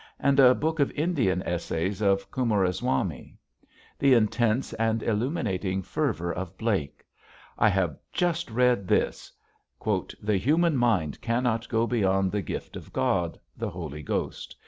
and a book of Indian essays of Coomeraswamy. The intense and illuminating fervor of Blake! I have just read this: "The human mind cannot go beyond the gift of God, the Holy Ghost.